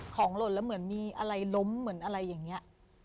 หล่นแล้วเหมือนมีอะไรล้มเหมือนอะไรอย่างนี้